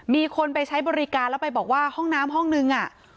มีคนไปใช้บริการแล้วไปบอกว่าห้องน้ำห้องนึง